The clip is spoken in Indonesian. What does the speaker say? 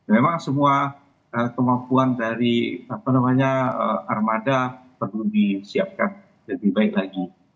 memang semua kemampuan dari armada perlu disiapkan lebih baik lagi